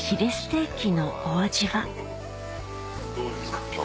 どうですか？